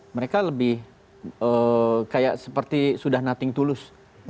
mereka lebih kayak seperti sudah nothing tulus